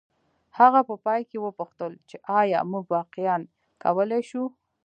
هغه په پای کې وپوښتل چې ایا موږ واقعیا کولی شو